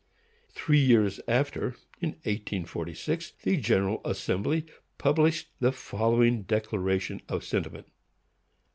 Three years after, in 1846, the General Assembly published the following declaration of sentiment: 1.